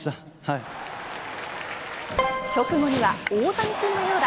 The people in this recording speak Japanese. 直後には大谷くんのようだ。